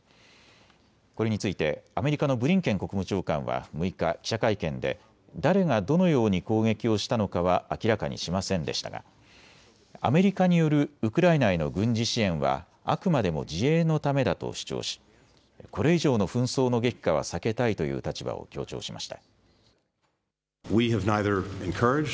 これについてアメリカのブリンケン国務長官は６日、記者会見で誰がどのように攻撃をしたのかは明らかにしませんでしたがアメリカによるウクライナへの軍事支援はあくまでも自衛のためだと主張しこれ以上の紛争の激化は避けたいという立場を強調しました。